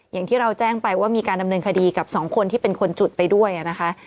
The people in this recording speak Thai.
อย่างที่เราแจ้งไปว่ามีการดำเนินคดีกับสองคนที่เป็นคนจุดไปด้วยนะคะ